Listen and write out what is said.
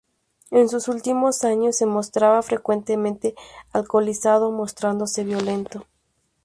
En sus últimos años se mostraba frecuentemente alcoholizado mostrándose violento.